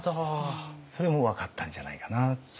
それも分かったんじゃないかなっていう。